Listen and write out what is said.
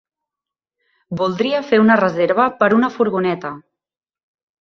Voldria fer una reserva per una furgoneta.